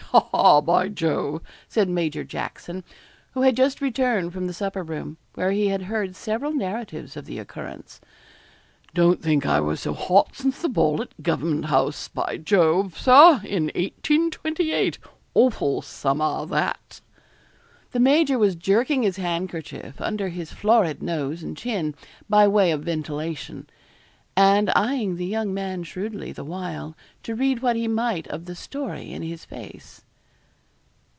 ha, ha, by Jove!' said Major Jackson, who had just returned from the supper room, where he had heard several narratives of the occurrence. 'Don't think I was so hot since the ball at Government House, by Jove, Sir, in 1828 awful summer that!' The major was jerking his handkerchief under his florid nose and chin, by way of ventilation; and eyeing the young man shrewdly the while, to read what he might of the story in his face.